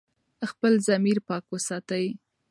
خپل ضمیر پاک وساتئ.